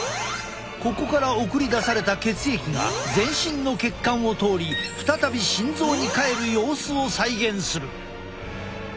ここから送り出された血液が全身の血管を通り再び心臓に帰る様子を再現する。